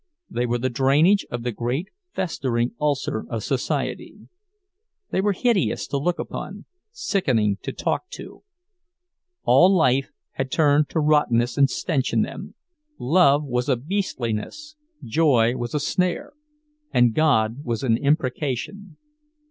They were the drainage of the great festering ulcer of society; they were hideous to look upon, sickening to talk to. All life had turned to rottenness and stench in them—love was a beastliness, joy was a snare, and God was an imprecation.